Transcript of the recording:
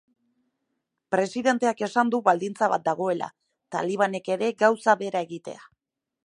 Presidenteak esan du baldintza bat dagoela, talibanek ere gauza bera egitea.